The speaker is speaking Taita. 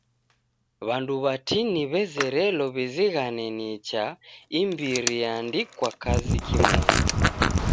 W'andu watini w'azerelo w'izighane nicha imbiri eandikwa kazi kimonu.